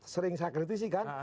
sering saya kritisi kan